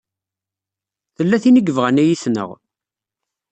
Tella tin i yebɣan ad yi-tneɣ.